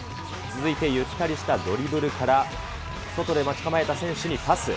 続いてゆったりしたドリブルから、外で待ち構えた選手にパス。